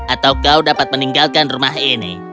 atau kau dapat meninggalkan rumah ini